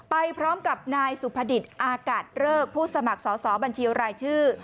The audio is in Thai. ไปพร้อมกับนายสุภดิษฐ์อากาศเริกผู้สมัครสอบบัญชีรายชื่อ